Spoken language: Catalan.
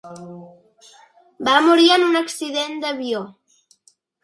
Va morir en un accident d'avió.